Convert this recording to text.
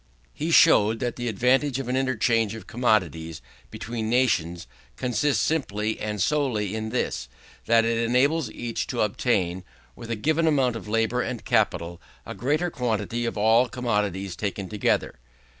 He shewed, that the advantage of an interchange of commodities between nations consists simply and solely in this, that it enables each to obtain, with a given amount of labour and capital, a greater quantity of all commodities taken together.